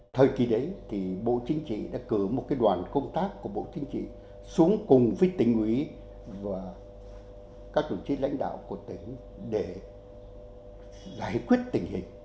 thời kỳ đấy thì bộ chính trị đã cử một đoàn công tác của bộ chính trị xuống cùng với tỉnh ủy và các đồng chí lãnh đạo của tỉnh để giải quyết tình hình